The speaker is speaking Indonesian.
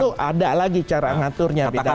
itu ada lagi cara ngaturnya bidangnya